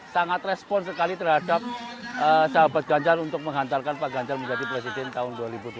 sangat respon sekali terhadap sahabat ganjar untuk menghantarkan pak ganjar menjadi presiden tahun dua ribu dua puluh